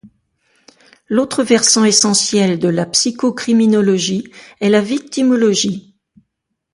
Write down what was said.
L'autre versant essentiel de la psychocriminologie est la victimologie.